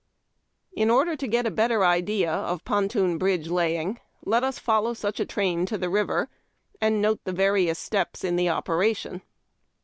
In order to get a better idea of ponton bridge laying, let us follow" such a train to the river and note the various steps in the operation.